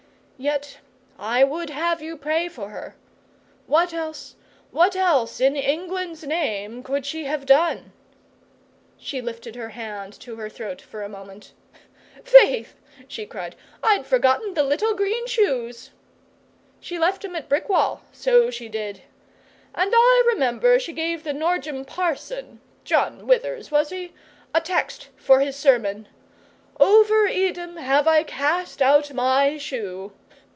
Yet I would have you pray for her! What else what else in England's name could she have done?' She lifted her hand to her throat for a moment. 'Faith,' she cried, 'I'd forgotten the little green shoes! She left 'em at Brickwall so she did. And I remember she gave the Norgem parson John Withers, was he? a text for his sermon "Over Edom have I cast out my shoe."